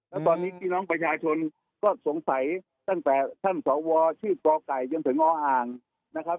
แล้วตอนนี้พี่น้องประชาชนก็สงสัยตั้งแต่ท่านสวชื่อกไก่จนถึงออ่างนะครับ